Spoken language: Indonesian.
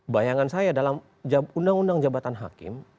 bayangan saya dalam undang undang jabatan hakim